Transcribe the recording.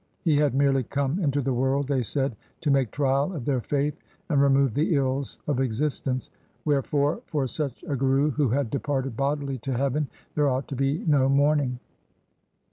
He had merely come into the world, they said, to make trial of their faith, and remove the ills of existence. Wherefore for such a Guru who had departed bodily to heaven, there ought to be no mourning.